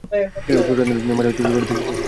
ছোট্ট থান্ডার, মানে যেই ঘোড়া বিদ্যুতের গতিতে চলে।